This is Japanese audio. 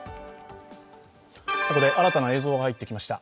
ここで新たな映像が入ってきました。